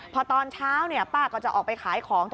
พอตอนเช้าป้าก็จะออกไปขายของ